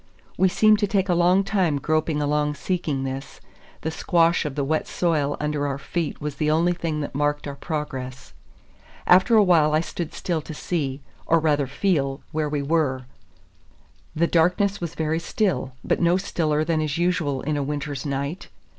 We seemed to take a long time groping along seeking this; the squash of the wet soil under our feet was the only thing that marked our progress. After a while I stood still to see, or rather feel, where we were. The darkness was very still, but no stiller than is usual in a winter's night.